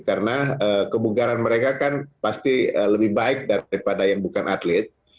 karena kebugaran mereka kan pasti lebih baik daripada yang bukan atlet